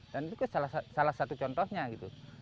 itu salah satu contohnya gitu